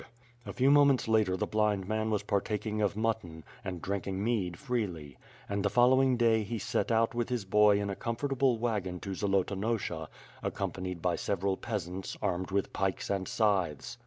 A few moments later the blind man was partaking of mut ton, and drinking mead freely; and the following day he set out with his boy in a comfortable wagon to Zolotonosha, ac companied by several peasants, armed with pikes and scythes.